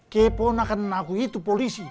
keponakan aku itu polisi